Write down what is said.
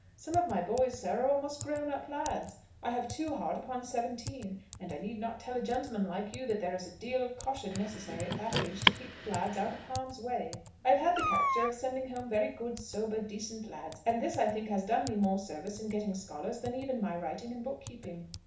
Some of my boys, sir, are almost grown up lads: I have two hard upon seventeen, and I need not tell a gentleman like you that there is a deal of caution necessary at that age to keep lads out of harm's way. I have had the character of sending home very good, sober, decent lads; and this, I think, has done me more service in getting scholars than even my writing and book keeping.